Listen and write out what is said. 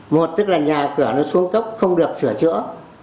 một tức là nhà cửa nó xuống cấp không được sửa chữa